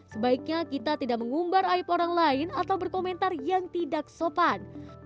sebaiknya kita tidak mengumbar aib orang lain atau berkomentar yang tidak sopan